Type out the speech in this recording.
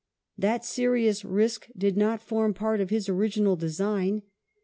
That serious risk did not form part of his original design.